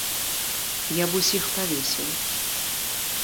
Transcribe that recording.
Я б усіх павесіў.